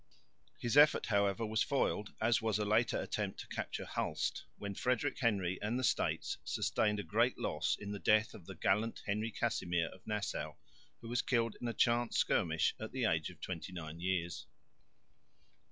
His effort, however, was foiled, as was a later attempt to capture Hulst, when Frederick Henry and the States sustained a great loss in the death of the gallant Henry Casimir of Nassau, who was killed in a chance skirmish at the age of 29 years.